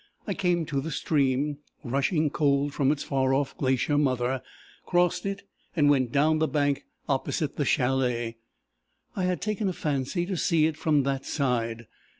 I came to the stream, rushing cold from its far off glacier mother, crossed it, and went down the bank opposite the chalet: I had taken a fancy to see it from that side.